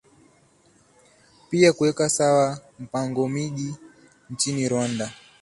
pia kuweka sawa mpango miji nchini rwanda